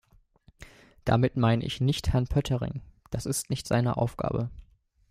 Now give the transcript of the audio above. Damit meine ich nicht Herrn Poettering, das ist nicht seine Aufgabe.